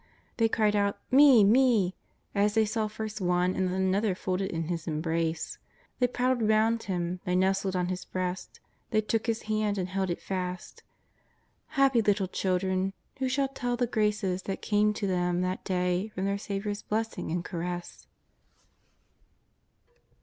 They cried out " me ! me !'' as they saw first one and then anothel folded in His embrace. They prattled round Him. They nestled on His breast. They took His hand and held it fast. Happy little children, who shall tell the graces that came to them that day from their Saviour's blessing and caress